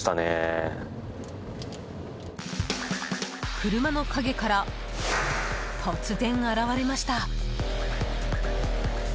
車の陰から突然、現れました。